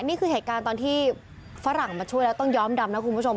นี่คือเหตุการณ์ตอนที่ฝรั่งมาช่วยแล้วต้องย้อมดำนะคุณผู้ชม